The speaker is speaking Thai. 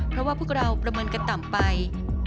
เพราะว่าพวกเราประเมินกันต่ำไป